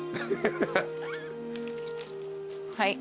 はい。